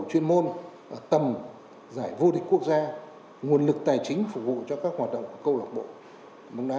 chuyên môn tầm giải vô địch quốc gia nguồn lực tài chính phục vụ cho các hoạt động của câu lạc bộ bóng đá